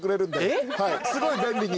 すごい便利に。